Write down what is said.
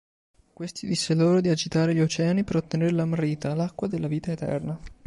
Questi disse loro di agitare gli oceani per ottenere l'amrita, l'acqua della vita eterna.